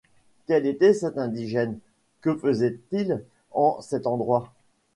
Quel était cet indigène? que faisait-il en cet endroit ?